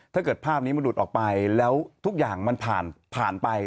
ถ้าเกิดภาพนี้มันรูดออกไปแล้วทุกอย่างมันผ่านไป